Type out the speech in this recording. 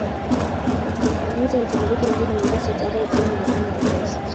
kenyatta alifariki mjini Mombasa tarehe kumi na nane agosti